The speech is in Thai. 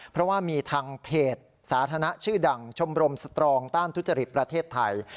เพราะว่ามีทางเพจสาธารณะชื่อดังชมรมสตรองต้านทุจริตประเทศไทย